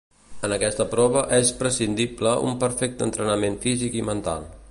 En aquesta prova és prescindible un perfecte entrenament físic i mental.